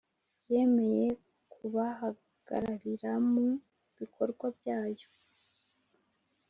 Yemeye kubahagarariramu bikorwa byabo.